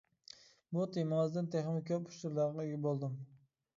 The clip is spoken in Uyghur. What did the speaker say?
بۇ تېمىڭىزدىن تېخىمۇ كۆپ ئۇچۇرلارغا ئىگە بولدۇم.